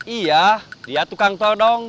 iya dia tukang todong